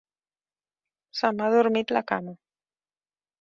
Se m'ha adormit la cama.